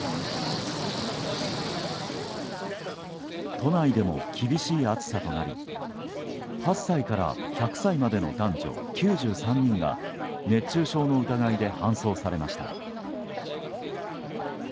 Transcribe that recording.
都内でも厳しい暑さとなり８歳から１００歳までの男女９３人が熱中症の疑いで搬送されました。